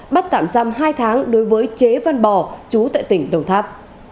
bắt tạm giam hai tháng đối với chế văn bò chú tại tỉnh đồng tháp